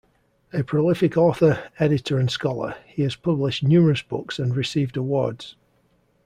A prolific author, editor, and scholar, he has published numerous books and received awards.